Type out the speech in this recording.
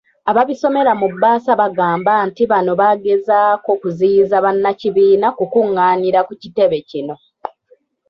Ababisomera mu bbaasa bagamba nti bano bagezaako kuziyiza bannakibiina kukung'aanira ku kitebe kino.